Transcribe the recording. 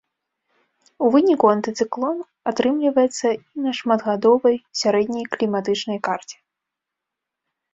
У выніку антыцыклон атрымліваецца і на шматгадовай сярэдняй кліматычнай карце.